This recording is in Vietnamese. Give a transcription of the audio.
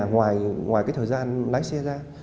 ngoài cái thời gian lái xe ra